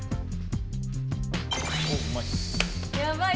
おうまい。